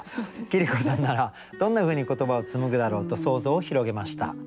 桐子さんならどんなふうに言葉を紡ぐだろうと想像を広げました。